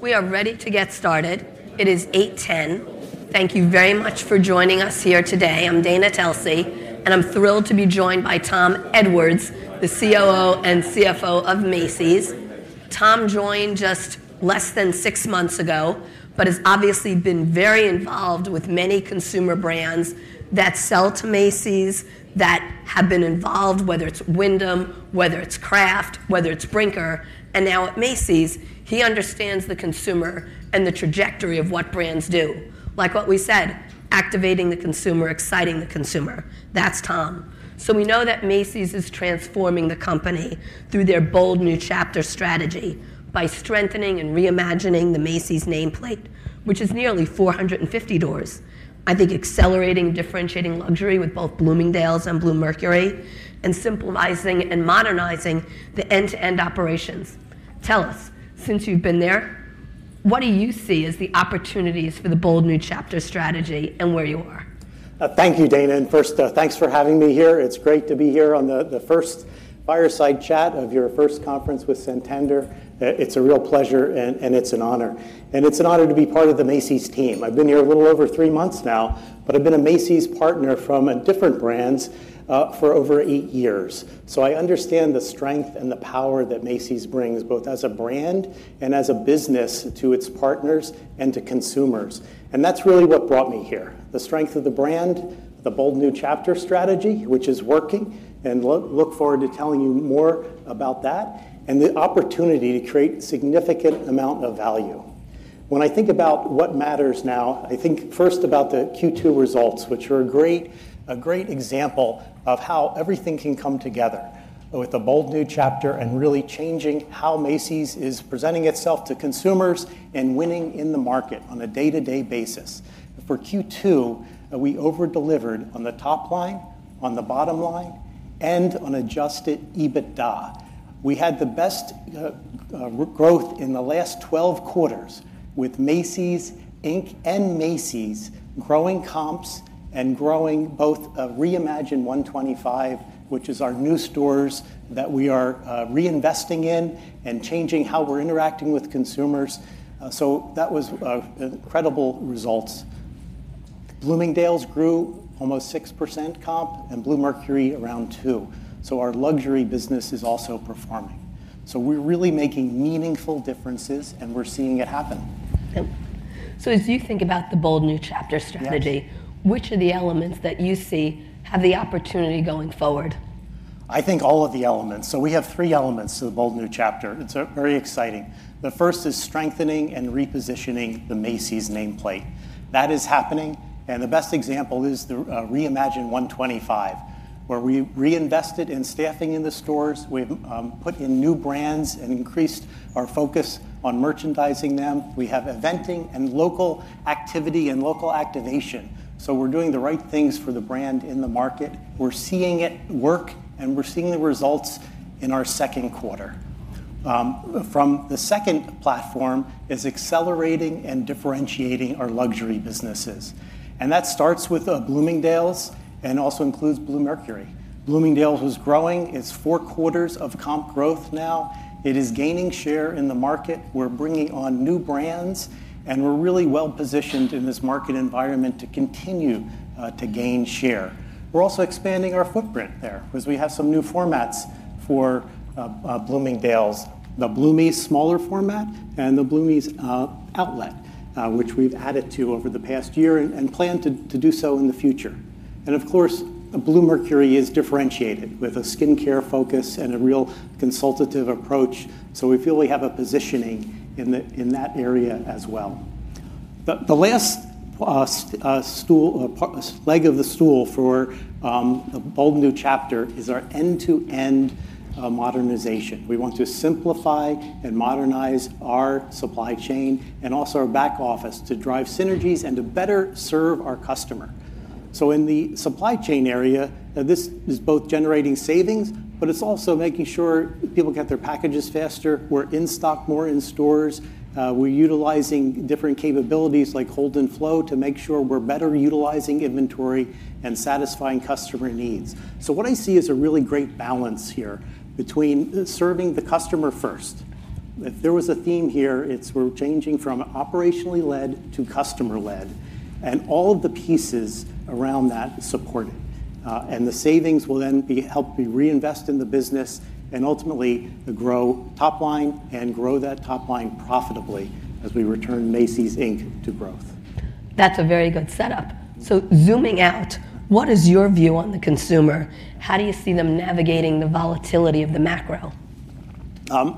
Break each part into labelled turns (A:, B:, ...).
A: We are ready to get started. It is 8:10 A.M. Thank you very much for joining us here today. I'm Dana Telsey, and I'm thrilled to be joined by Tom Edwards, the COO and CFO of Macy's. Tom joined just less than six months ago, but has obviously been very involved with many consumer brands that sell to Macy's, that have been involved, whether it's Wyndham, whether it's Kraft, whether it's Brinker. Now at Macy's, he understands the consumer and the trajectory of what brands do. Like what we said, activating the consumer, exciting the consumer. That's Tom. We know that Macy's is transforming the company through their bold new chapter strategy by strengthening and reimagining the Macy's nameplate, which is nearly 450 doors. I think accelerating, differentiating luxury with both Bloomingdale's and Bluemercury, and simplifying and modernizing the end-to-end operations. Tell us, since you've been there, what do you see as the opportunities for the bold new chapter strategy and where you are?
B: Thank you, Dana. First, thanks for having me here. It's great to be here on the first fireside chat of your first conference with Santander. It's a real pleasure, and it's an honor. It's an honor to be part of the Macy's team. I've been here a little over three months now, but I've been a Macy's partner from different brands for over eight years. I understand the strength and the power that Macy's brings, both as a brand and as a business, to its partners and to consumers. That's really what brought me here. The strength of the brand, the bold new chapter strategy, which is working, and I look forward to telling you more about that, and the opportunity to create a significant amount of value. When I think about what matters now, I think first about the Q2 results, which are a great example of how everything can come together with a bold new chapter and really changing how Macy's is presenting itself to consumers and winning in the market on a day-to-day basis. For Q2, we over-delivered on the top line, on the bottom line, and on adjusted EBITDA. We had the best growth in the last 12 quarters with Macy's Inc and Macy's growing comps and growing both Reimagine 125, which is our new stores that we are reinvesting in and changing how we're interacting with consumers. That was incredible results. Bloomingdale's grew almost 6% comp, and Bluemercury around 2%. Our luxury business is also performing. We're really making meaningful differences, and we're seeing it happen.
A: As you think about the bold new chapter strategy, which are the elements that you see have the opportunity going forward?
B: I think all of the elements. We have three elements to the bold new chapter. It's very exciting. The first is strengthening and repositioning the Macy's nameplate. That is happening. The best example is the Reimagine 125, where we reinvested in staffing in the stores. We've put in new brands and increased our focus on merchandising them. We have eventing and local activity and local activation. We're doing the right things for the brand in the market. We're seeing it work, and we're seeing the results in our second quarter. The second platform is accelerating and differentiating our luxury businesses. That starts with Bloomingdale's and also includes Bluemercury. Bloomingdale's was growing. It's four quarters of comp growth now. It is gaining share in the market. We're bringing on new brands, and we're really well positioned in this market environment to continue to gain share. We're also expanding our footprint there, as we have some new formats for Bloomingdale's, the Bloomie's smaller format and the Bloomie's Outlet, which we've added to over the past year and plan to do so in the future. Of course, Bluemercury is differentiated with a skincare focus and a real consultative approach. We feel we have a positioning in that area as well. The last leg of the stool for a bold new chapter is our end-to-end modernization. We want to simplify and modernize our supply chain and also our back-office functions to drive synergies and to better serve our customer. In the supply chain area, this is both generating savings, but it's also making sure people get their packages faster. We're in stock more in stores. We're utilizing different capabilities like hold and flow to make sure we're better utilizing inventory and satisfying customer needs. What I see is a really great balance here between serving the customer first. If there was a theme here, it's we're changing from operationally led to customer led, and all of the pieces around that support it. The savings will then help me reinvest in the business and ultimately grow top line and grow that top line profitably as we return Macy's, Inc to growth.
A: That's a very good setup. Zooming out, what is your view on the consumer? How do you see them navigating the volatility of the macro?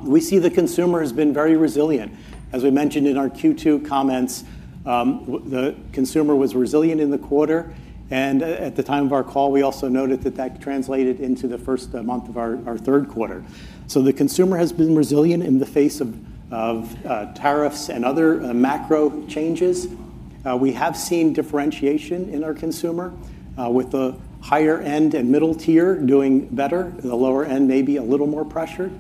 B: We see the consumer has been very resilient. As we mentioned in our Q2 comments, the consumer was resilient in the quarter. At the time of our call, we also noted that translated into the first month of our third quarter. The consumer has been resilient in the face of tariffs and other macro changes. We have seen differentiation in our consumer with the higher end and middle tier doing better, the lower end maybe a little more pressured.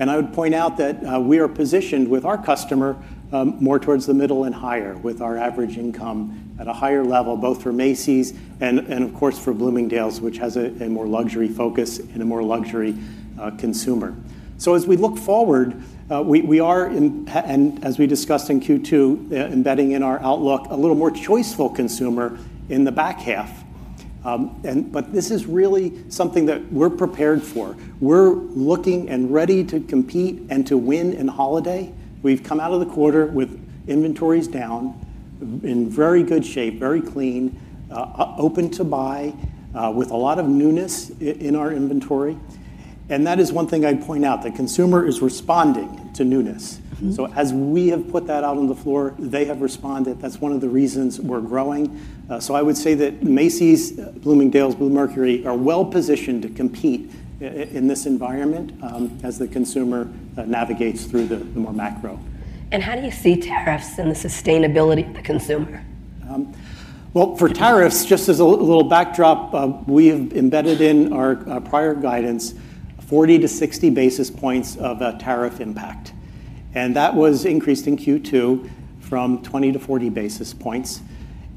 B: I would point out that we are positioned with our customer more towards the middle and higher with our average income at a higher level, both for Macy's and of course for Bloomingdale's, which has a more luxury focus and a more luxury consumer. As we look forward, we are, and as we discussed in Q2, embedding in our outlook a little more choiceful consumer in the back half. This is really something that we're prepared for. We're looking and ready to compete and to win in holiday. We've come out of the quarter with inventories down in very good shape, very clean, open to buy with a lot of newness in our inventory. That is one thing I'd point out, the consumer is responding to newness. As we have put that out on the floor, they have responded. That's one of the reasons we're growing. I would say that Macy's, Bloomingdale's, Bluemercury are well positioned to compete in this environment as the consumer navigates through the more macro.
A: How do you see tariffs and the sustainability of the consumer?
B: For tariffs, just as a little backdrop, we have embedded in our prior guidance 40-60 basis points of a tariff impact. That was increased in Q2 from 20 to 40 basis points.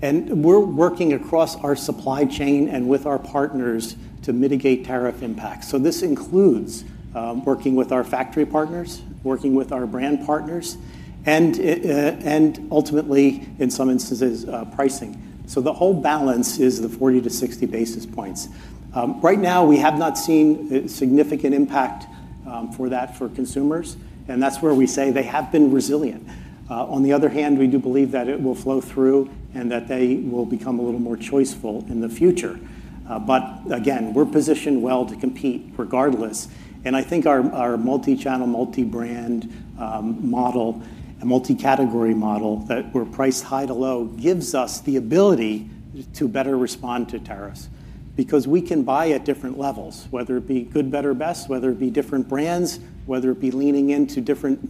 B: We're working across our supply chain and with our partners to mitigate tariff impacts. This includes working with our factory partners, working with our brand partners, and ultimately, in some instances, pricing. The whole balance is the 40-60 basis points. Right now, we have not seen a significant impact for that for consumers. That's where we say they have been resilient. On the other hand, we do believe that it will flow through and that they will become a little more choiceful in the future. Again, we're positioned well to compete regardless. I think our multi-channel, multi-brand, multi-category model that we're priced high to low gives us the ability to better respond to tariffs because we can buy at different levels, whether it be good, better, best, whether it be different brands, whether it be leaning into different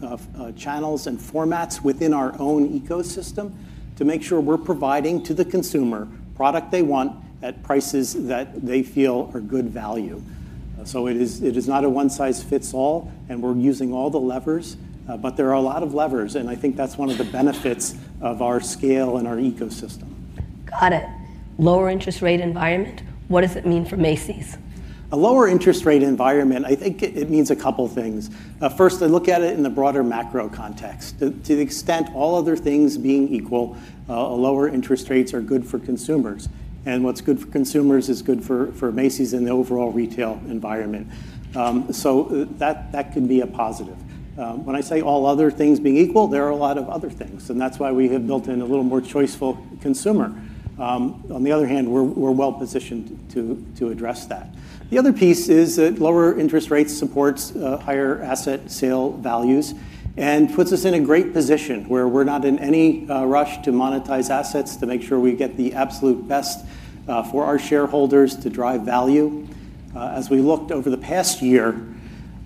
B: channels and formats within our own ecosystem to make sure we're providing to the consumer product they want at prices that they feel are good value. It is not a one-size-fits-all, and we're using all the levers, but there are a lot of levers. I think that's one of the benefits of our scale and our ecosystem.
A: Got it. Lower interest rate environment, what does it mean for Macy's?
B: A lower interest rate environment, I think it means a couple of things. First, I look at it in the broader macro context. To the extent all other things being equal, lower interest rates are good for consumers. What's good for consumers is good for Macy's in the overall retail environment. That could be a positive. When I say all other things being equal, there are a lot of other things. That's why we have built in a little more choiceful consumer. On the other hand, we're well positioned to address that. The other piece is that lower interest rates support higher asset sale values and puts us in a great position where we're not in any rush to monetize assets to make sure we get the absolute best for our shareholders to drive value. As we looked over the past year,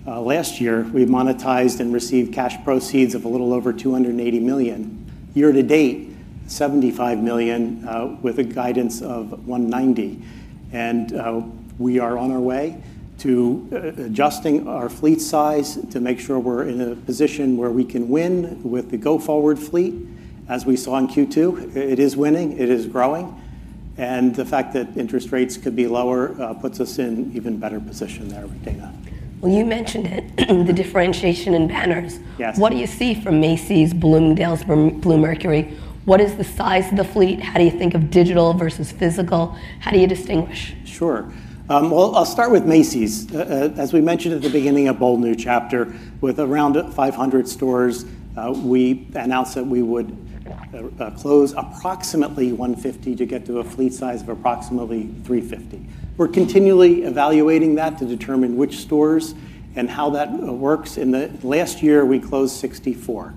B: last year we monetized and received cash proceeds of a little over $280 million. Year to date, $75 million with a guidance of $190 million. We are on our way to adjusting our fleet size to make sure we're in a position where we can win with the go-forward fleet. As we saw in Q2, it is winning, it is growing. The fact that interest rates could be lower puts us in an even better position there, Dana.
A: You mentioned it, the differentiation in banners. What do you see from Macy's, Bloomingdale's, and Bluemercury? What is the size of the fleet? How do you think of digital versus physical? How do you distinguish?
B: Sure. I'll start with Macy's. As we mentioned at the beginning, a bold new chapter with around 500 stores. We announced that we would close approximately 150 to get to a fleet size of approximately 350. We're continually evaluating that to determine which stores and how that works. In the last year, we closed 64.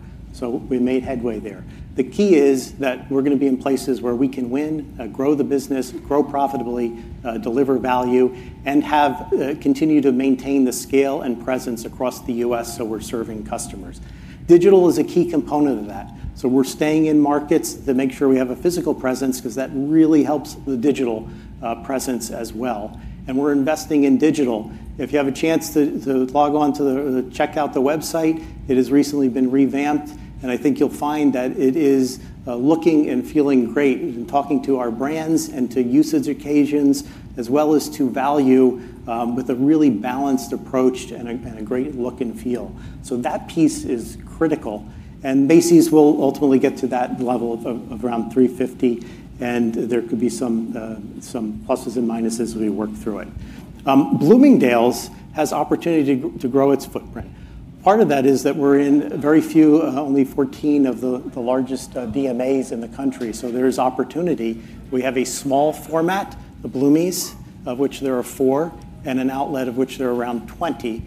B: We made headway there. The key is that we're going to be in places where we can win, grow the business, grow profitably, deliver value, and continue to maintain the scale and presence across the U.S. so we're serving customers. Digital is a key component of that. We're staying in markets to make sure we have a physical presence because that really helps the digital presence as well. We're investing in digital. If you have a chance to log on to check out the website, it has recently been revamped. I think you'll find that it is looking and feeling great in talking to our brands and to usage occasions, as well as to value with a really balanced approach and a great look and feel. That piece is critical. Macy's will ultimately get to that level of around 350, and there could be some pluses and minuses as we work through it. Bloomingdale's has the opportunity to grow its footprint. Part of that is that we're in very few, only 14 of the largest DMAs in the country. There is opportunity. We have a small format, the Bloomie's, of which there are four, and an outlet of which there are around 20.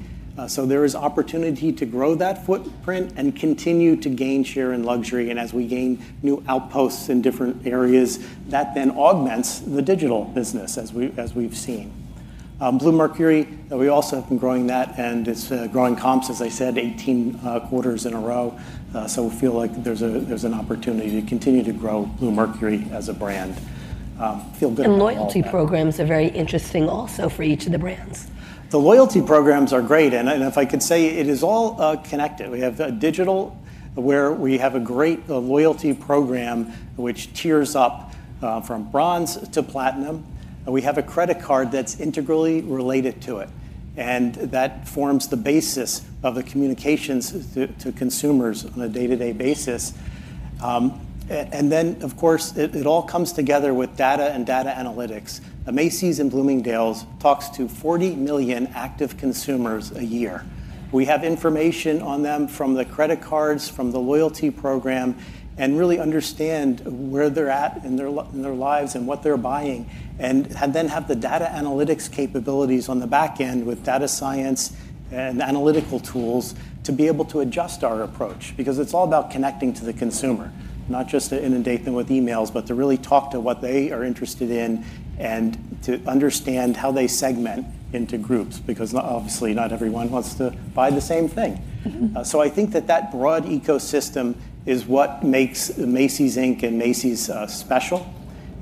B: There is opportunity to grow that footprint and continue to gain share in luxury. As we gain new outposts in different areas, that then augments the digital business as we've seen. Bluemercury, we also have been growing that and it's growing comps, as I said, 18 quarters in a row. We feel like there's an opportunity to continue to grow Bluemercury as a brand.
A: Loyalty programs are very interesting also for each of the brands.
B: The loyalty programs are great. If I could say it is all connected. We have digital where we have a great loyalty program which tiers up from bronze to platinum. We have a credit card that's integrally related to it, and that forms the basis of the communications to consumers on a day-to-day basis. Of course, it all comes together with data and data analytics. Macy's and Bloomingdale's talks to 40 million active consumers a year. We have information on them from the credit cards, from the loyalty program, and really understand where they're at in their lives and what they're buying. We have the data analytics capabilities on the back end with data science and analytical tools to be able to adjust our approach because it's all about connecting to the consumer, not just to inundate them with emails, but to really talk to what they are interested in and to understand how they segment into groups because obviously not everyone wants to buy the same thing. I think that broad ecosystem is what makes Macy's Inc and Macy's special.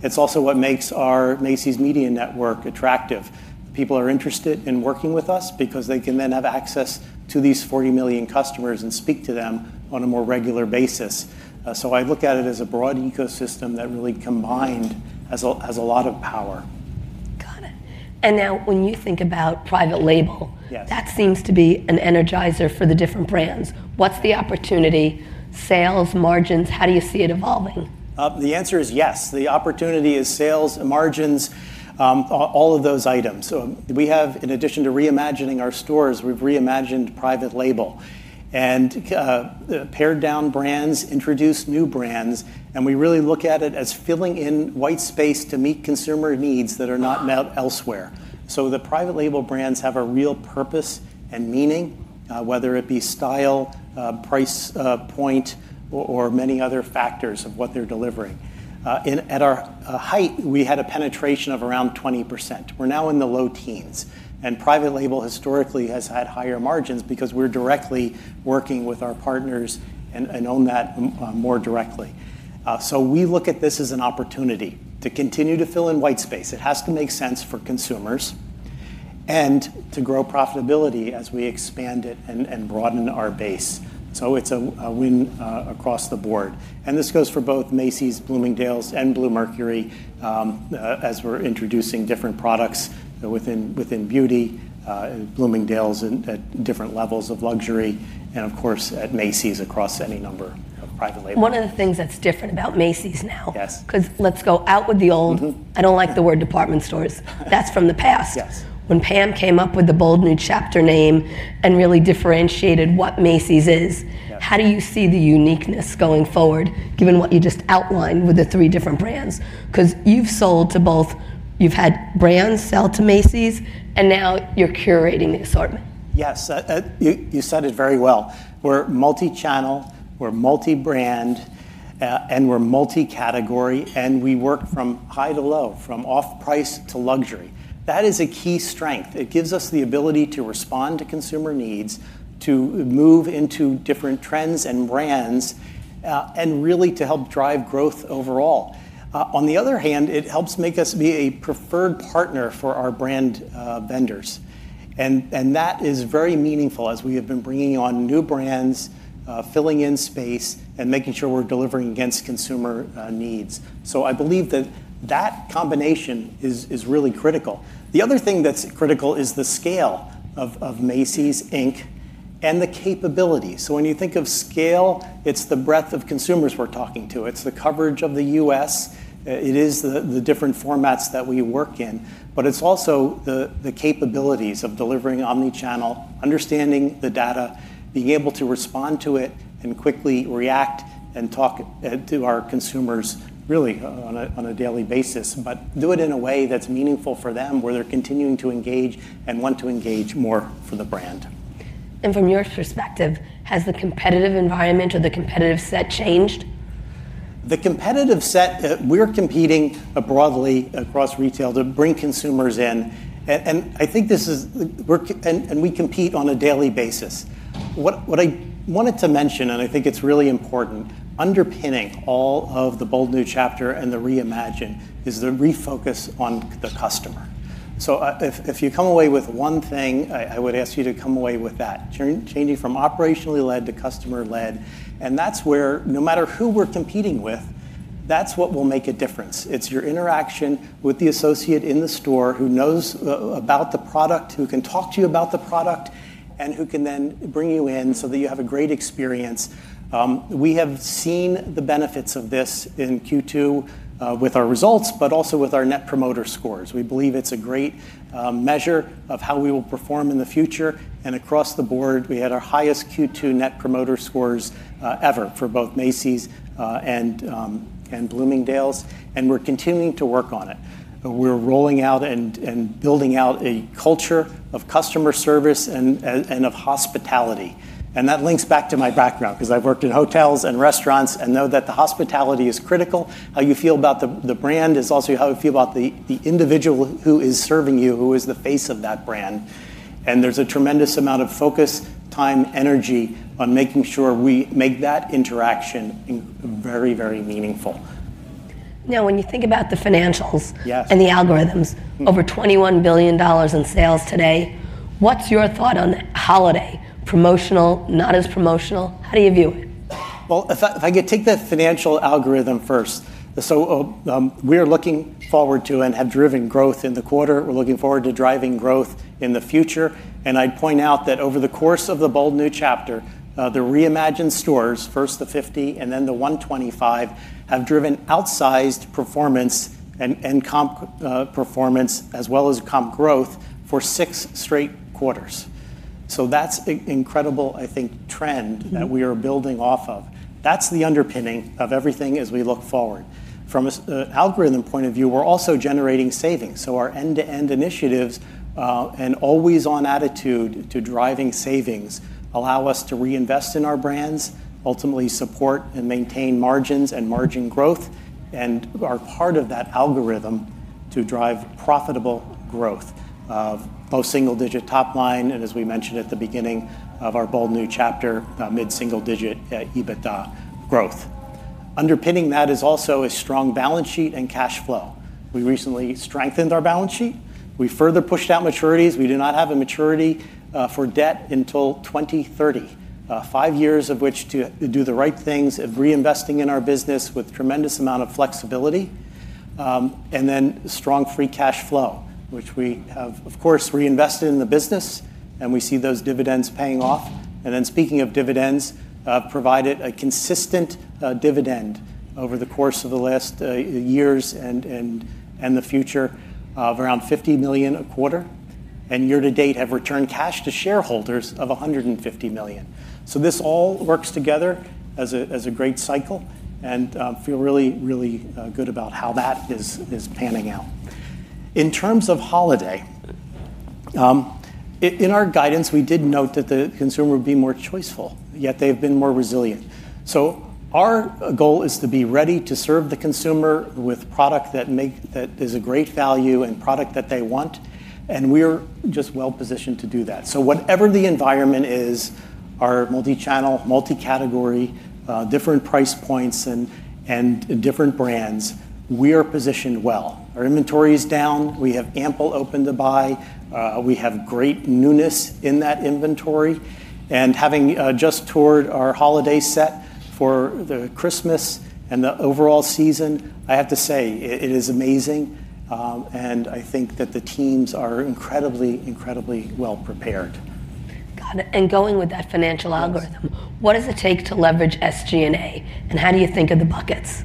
B: It's also what makes our Macy's Media Network attractive. People are interested in working with us because they can then have access to these 40 million customers and speak to them on a more regular basis. I look at it as a broad ecosystem that really combined has a lot of power.
A: Got it. When you think about private label, that seems to be an energizer for the different brands. What's the opportunity? Sales, margins, how do you see it evolving?
B: The answer is yes. The opportunity is sales, margins, all of those items. In addition to reimagining our stores, we've reimagined private label and pared down brands, introduced new brands, and we really look at it as filling in white space to meet consumer needs that are not met elsewhere. The private label brands have a real purpose and meaning, whether it be style, price point, or many other factors of what they're delivering. At our height, we had a penetration of around 20%. We're now in the low teens. Private label historically has had higher margins because we're directly working with our partners and own that more directly. We look at this as an opportunity to continue to fill in white space. It has to make sense for consumers and to grow profitability as we expand it and broaden our base. It's a win across the board. This goes for both Macy's, Bloomingdale's, and Bluemercury as we're introducing different products within beauty, Bloomingdale's at different levels of luxury, and of course at Macy's across any number of private labels.
A: One of the things that's different about Macy's now, because let's go out with the old, I don't like the word department stores, that's from the past. When Pam came up with the bold new chapter name and really differentiated what Macy's is, how do you see the uniqueness going forward, given what you just outlined with the three different brands? Because you've sold to both, you've had brands sell to Macy's, and now you're curating the assortment.
B: Yes, you said it very well. We're multi-channel, we're multi-brand, and we're multi-category, and we work from high to low, from off-price to luxury. That is a key strength. It gives us the ability to respond to consumer needs, to move into different trends and brands, and really to help drive growth overall. On the other hand, it helps make us be a preferred partner for our brand vendors. That is very meaningful as we have been bringing on new brands, filling in space, and making sure we're delivering against consumer needs. I believe that that combination is really critical. The other thing that's critical is the scale of Macy's, Inc and the capability. When you think of scale, it's the breadth of consumers we're talking to. It's the coverage of the U.S. It is the different formats that we work in. It's also the capabilities of delivering omnichannel, understanding the data, being able to respond to it, and quickly react and talk to our consumers really on a daily basis, but do it in a way that's meaningful for them where they're continuing to engage and want to engage more for the brand.
A: From your perspective, has the competitive environment or the competitive set changed?
B: The competitive set, we're competing broadly across retail to bring consumers in. I think this is, we're, and we compete on a daily basis. What I wanted to mention, and I think it's really important, underpinning all of the bold new chapter and the reimagine is the refocus on the customer. If you come away with one thing, I would ask you to come away with that, changing from operationally led to customer led. That's where, no matter who we're competing with, that's what will make a difference. It's your interaction with the associate in the store who knows about the product, who can talk to you about the product, and who can then bring you in so that you have a great experience. We have seen the benefits of this in Q2 with our results, but also with our net promoter scores. We believe it's a great measure of how we will perform in the future. Across the board, we had our highest Q2 net promoter scores ever for both Macy's and Bloomingdale's, and we're continuing to work on it. We're rolling out and building out a culture of customer service and of hospitality. That links back to my background because I've worked in hotels and restaurants and know that the hospitality is critical. How you feel about the brand is also how you feel about the individual who is serving you, who is the face of that brand. There's a tremendous amount of focus, time, energy on making sure we make that interaction very, very meaningful.
A: Now, when you think about the financials and the algorithms, over $21 billion in sales today, what's your thought on holiday? Promotional, not as promotional? How do you view it?
B: If I could take the financial algorithm first. We're looking forward to and have driven growth in the quarter. We're looking forward to driving growth in the future. I'd point out that over the course of the bold new chapter, the reimagined stores, first the $50 million and then the $125 million, have driven outsized performance and comp performance as well as comp growth for six straight quarters. That's an incredible, I think, trend that we are building off of. That's the underpinning of everything as we look forward. From an algorithm point of view, we're also generating savings. Our end-to-end initiatives and always-on attitude to driving savings allow us to reinvest in our brands, ultimately support and maintain margins and margin growth, and are part of that algorithm to drive profitable growth of both single-digit top line and, as we mentioned at the beginning of our bold new chapter, mid-single-digit EBITDA growth. Underpinning that is also a strong balance sheet and cash flow. We recently strengthened our balance sheet. We further pushed out maturities. We do not have a maturity for debt until 2030, five years of which to do the right things of reinvesting in our business with a tremendous amount of flexibility. Strong free cash flow, which we have, of course, reinvested in the business, and we see those dividends paying off. Speaking of dividends, provided a consistent dividend over the course of the last years and the future of around $50 million a quarter. Year to date have returned cash to shareholders of $150 million. This all works together as a great cycle and feel really, really good about how that is panning out. In terms of holiday, in our guidance, we did note that the consumer would be more choiceful, yet they have been more resilient. Our goal is to be ready to serve the consumer with product that is a great value and product that they want. We're just well positioned to do that. Whatever the environment is, our multi-channel, multi-category, different price points, and different brands, we are positioned well. Our inventory is down. We have ample open to buy. We have great newness in that inventory. Having just toured our holiday set for the Christmas and the overall season, I have to say it is amazing. I think that the teams are incredibly, incredibly well prepared.
A: Got it. Going with that financial algorithm, what does it take to leverage SG&A? How do you think of the buckets?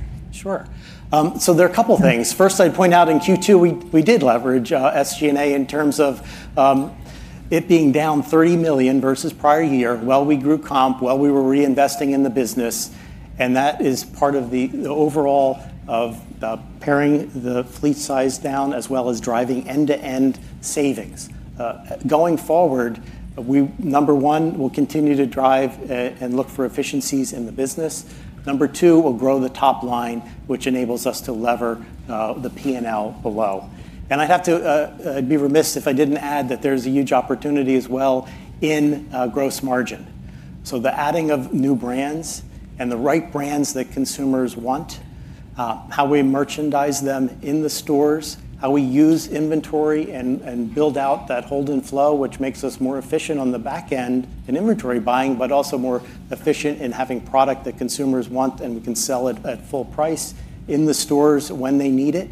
B: Sure. There are a couple of things. First, I'd point out in Q2, we did leverage SG&A in terms of it being down $30 million versus prior year. We grew comp. We were reinvesting in the business, and that is part of the overall of pairing the fleet size down as well as driving end-to-end savings. Going forward, we, number one, will continue to drive and look for efficiencies in the business. Number two, we'll grow the top line, which enables us to lever the P&L below. I'd have to be remiss if I didn't add that there's a huge opportunity as well in gross margin. The adding of new brands and the right brands that consumers want, how we merchandise them in the stores, how we use inventory and build out that hold and flow, which makes us more efficient on the back end in inventory buying, but also more efficient in having product that consumers want and can sell it at full price in the stores when they need it.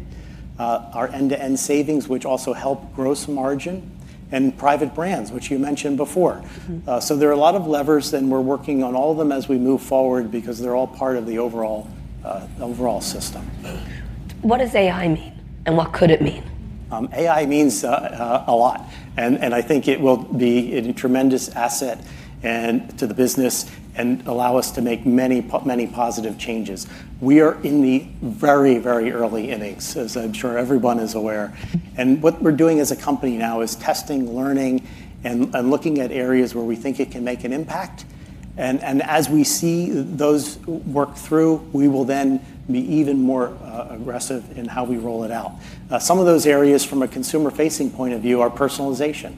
B: Our end-to-end savings, which also help gross margin, and private brands, which you mentioned before. There are a lot of levers, and we're working on all of them as we move forward because they're all part of the overall system.
A: What does AI mean? What could it mean?
B: AI means a lot. I think it will be a tremendous asset to the business and allow us to make many, many positive changes. We are in the very, very early innings, as I'm sure everyone is aware. What we're doing as a company now is testing, learning, and looking at areas where we think it can make an impact. As we see those work through, we will then be even more aggressive in how we roll it out. Some of those areas from a consumer-facing point of view are personalization.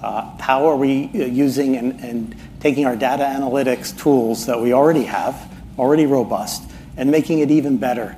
B: How are we using and taking our data analytics tools that we already have, already robust, and making it even better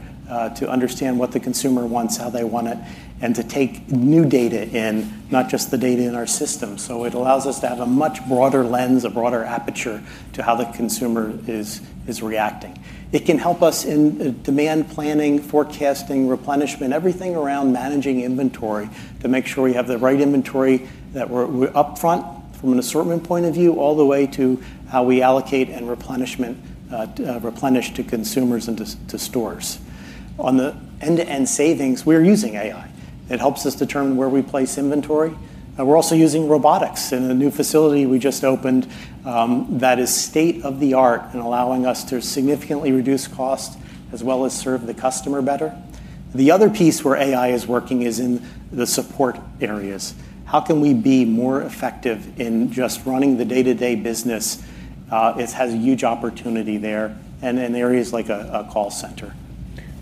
B: to understand what the consumer wants, how they want it, and to take new data in, not just the data in our system? It allows us to have a much broader lens, a broader aperture to how the consumer is reacting. It can help us in demand planning, forecasting, replenishment, everything around managing inventory to make sure we have the right inventory that we're upfront from an assortment point of view all the way to how we allocate and replenish to consumers and to stores. On the end-to-end savings, we're using AI. It helps us determine where we place inventory. We're also using robotics in a new facility we just opened that is state-of-the-art and allowing us to significantly reduce cost as well as serve the customer better. The other piece where AI is working is in the support areas. How can we be more effective in just running the day-to-day business? It has a huge opportunity there and in areas like a call center.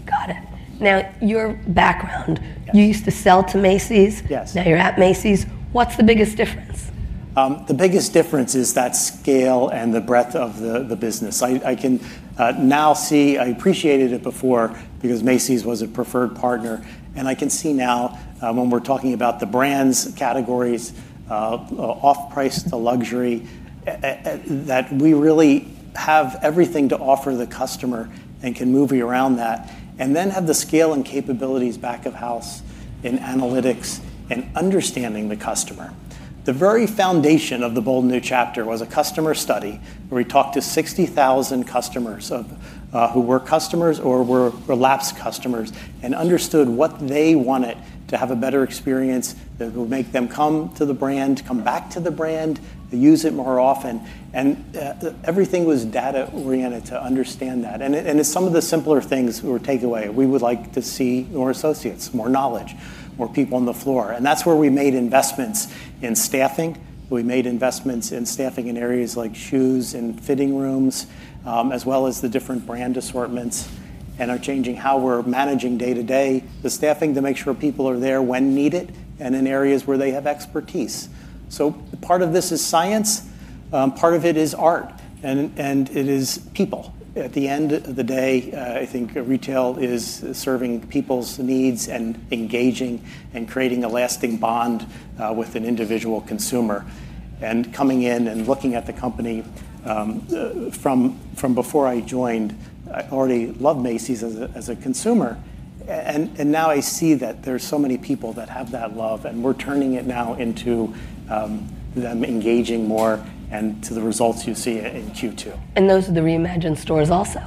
A: Got it. Now, your background, you used to sell to Macy's. Now you're at Macy's. What's the biggest difference?
B: The biggest difference is that scale and the breadth of the business. I can now see, I appreciated it before because Macy's was a preferred partner. I can see now when we're talking about the brands, categories, off-price to luxury, that we really have everything to offer the customer and can move you around that. We have the scale and capabilities back of house in analytics and understanding the customer. The very foundation of the bold new chapter was a customer study where we talked to 60,000 customers who were customers or were relapsed customers and understood what they wanted to have a better experience that would make them come to the brand, come back to the brand, use it more often. Everything was data-oriented to understand that. Some of the simpler things were takeaway. We would like to see more associates, more knowledge, more people on the floor. That's where we made investments in staffing. We made investments in staffing in areas like shoes and fitting rooms, as well as the different brand assortments, and are changing how we're managing day-to-day, the staffing to make sure people are there when needed and in areas where they have expertise. Part of this is science. Part of it is art. It is people. At the end of the day, I think retail is serving people's needs and engaging and creating a lasting bond with an individual consumer. Coming in and looking at the company from before I joined, I already loved Macy's as a consumer. Now I see that there's so many people that have that love, and we're turning it now into them engaging more and to the results you see in Q2.
A: Are those the reimagined stores also?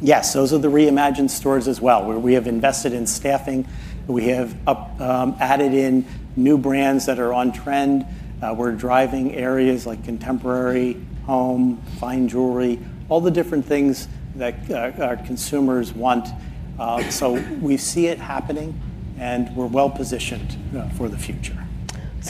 B: Yes, those are the reimagined stores as well. We have invested in staffing. We have added in new brands that are on trend. We're driving areas like contemporary, home, fine jewelry, all the different things that our consumers want. We see it happening, and we're well positioned for the future.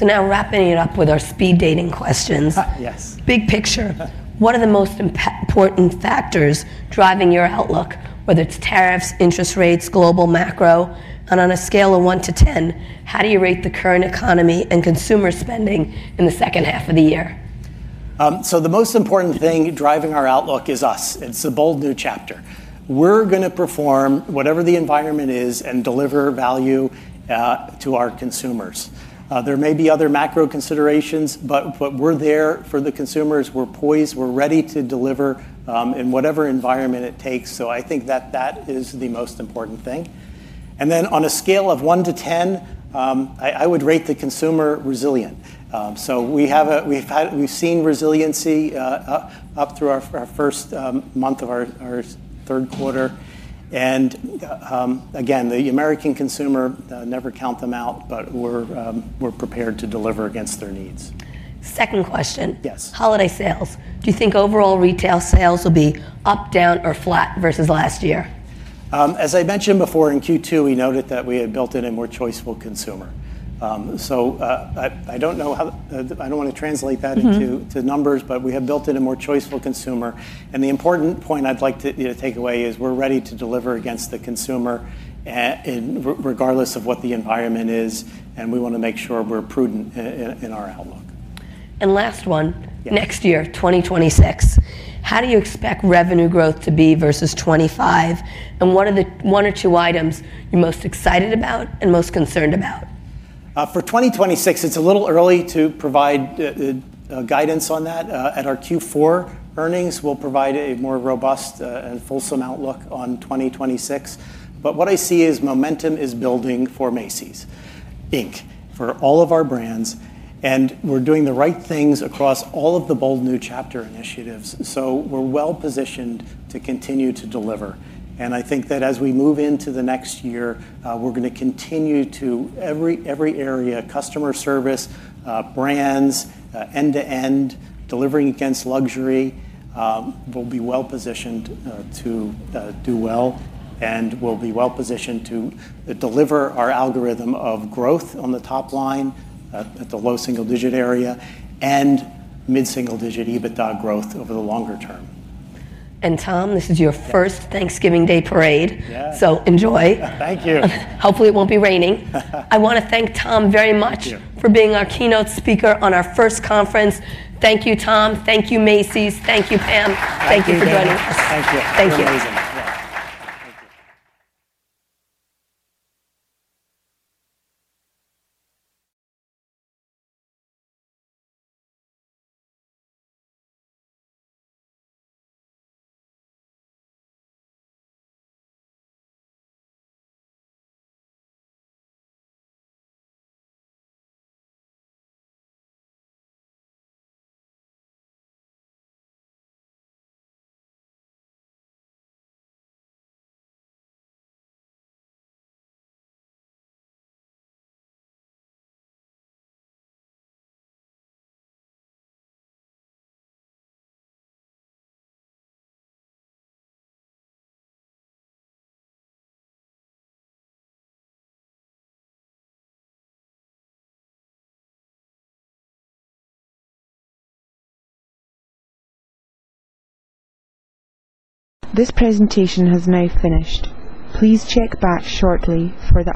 A: Now wrapping it up with our speed dating questions.
B: Yes.
A: Big picture, what are the most important factors driving your outlook, whether it's tariffs, interest rates, global macro? On a scale of one to 10, how do you rate the current economy and consumer spending in the second half of the year?
B: The most important thing driving our outlook is us. It's a bold new chapter. We're going to perform whatever the environment is and deliver value to our consumers. There may be other macro considerations, but we're there for the consumers. We're poised, we're ready to deliver in whatever environment it takes. I think that is the most important thing. On a scale of one to 10, I would rate the consumer resilient. We've seen resiliency up through our first month of our third quarter. The American consumer, never count them out, but we're prepared to deliver against their needs.
A: Second question.
B: Yes.
A: Holiday sales. Do you think overall retail sales will be up, down, or flat versus last year?
B: As I mentioned before, in Q2, we noted that we had built in a more choiceful consumer. I don't know how, I don't want to translate that into numbers, but we have built in a more choiceful consumer. The important point I'd like to take away is we're ready to deliver against the consumer regardless of what the environment is, and we want to make sure we're prudent in our outlook.
A: Last one, next year, 2026, how do you expect revenue growth to be versus 2025? What are the one or two items you're most excited about and most concerned about?
B: For 2026, it's a little early to provide guidance on that. At our Q4 earnings, we'll provide a more robust and fulsome outlook on 2026. What I see is momentum is building for Macy's Inc for all of our brands. We're doing the right things across all of the bold new chapter initiatives. We're well positioned to continue to deliver. I think that as we move into the next year, we're going to continue to every area, customer service, brands, end-to-end, delivering against luxury, we'll be well positioned to do well. We'll be well positioned to deliver our algorithm of growth on the top line at the low single-digit area and mid-single-digit EBITDA growth over the longer term.
A: Tom, this is your first Thanksgiving Day parade.
B: Yes.
A: So enjoy.
B: Thank you.
A: Hopefully, it won't be raining. I want to thank Tom very much for being our keynote speaker on our first conference. Thank you, Tom. Thank you, Macy's. Thank you, Pam. Thank you for joining us. Thank you.
B: Thank you.
C: This presentation has now finished. Please check back shortly.